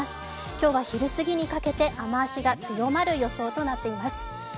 今日は昼すぎにかけて雨足が強まる予想となっています。